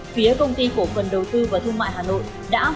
phía công ty cổ phần đầu tư và thương mại hà nội đã